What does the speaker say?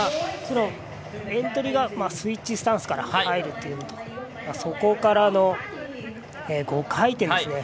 エントリーがスイッチスタンスから入るという、そこからの５回転。